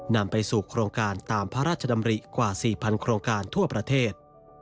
นำไปสู่โครงการตามพระราชดำริกว่า๔๐๐โครงการทั่วประเทศ